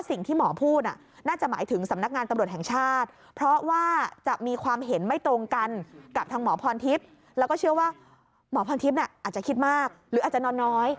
ถอนทีปน่ะอาจจะคิดมากหรืออาจจะนอนน้อย